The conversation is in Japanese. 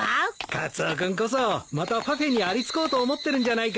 カツオ君こそまたパフェにありつこうと思ってるんじゃないか？